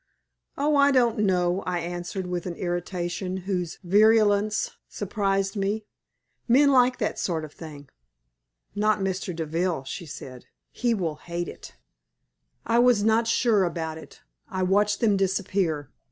"Oh! I don't know," I answered, with an irritation whose virulence surprised me. "Men like that sort of thing." "Not Mr. Deville," she said. "He will hate it." I was not sure about it. I watched them disappear.